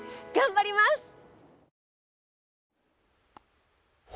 頑張ります。